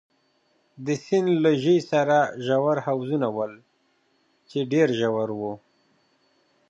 د سیند له ژۍ سره ژور حوضونه ول، چې ډېر ژور وو.